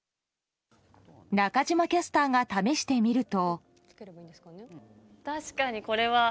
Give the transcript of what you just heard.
中島キャスターが試してみると。